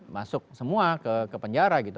masuk semua ke penjara gitu